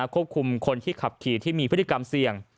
คนที่ขับขี่ที่มีพฤติกรรมเสี่ยง